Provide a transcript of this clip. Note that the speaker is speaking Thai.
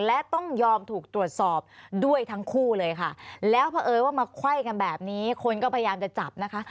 และต้องยอมถูกตรวจสอบด้วยทั้งคู่เลยค่ะแล้วเพราะเอิญว่ามาไขว้กันแบบนี้คนก็พยายามจะจับนะคะ